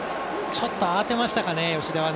ちょっと慌てましたかね、吉田は。